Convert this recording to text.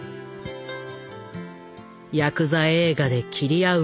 ヤクザ映画で斬り合う